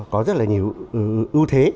có rất là nhiều ưu thế